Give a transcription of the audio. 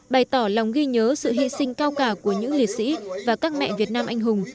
bày tỏ lòng ghi nhớ sự hy sinh cao cả của những liệt sĩ và các mẹ việt nam anh hùng